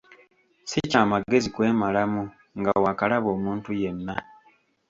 Si kya magezi kwemalamu nga waakalaba omuntu yenna.